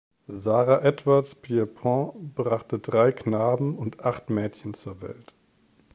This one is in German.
Sarah Edwards Pierpont brachte drei Knaben und acht Mädchen zur Welt.